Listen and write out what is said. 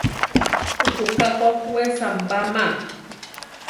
Ukuka ko we sambama.